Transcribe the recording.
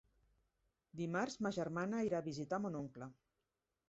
Dimarts ma germana irà a visitar mon oncle.